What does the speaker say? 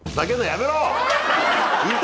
やめろ！